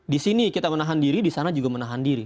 di sini kita menahan diri di sana juga menahan diri